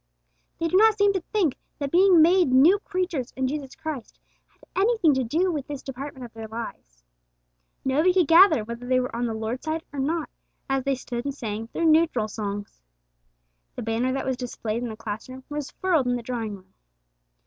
They do not seem to think that being made new creatures in Christ Jesus had anything to do with this department of their lives. Nobody could gather whether they were on the Lord's side or not, as they stood and sang their neutral songs. The banner that was displayed in the class room was furled in the drawing room.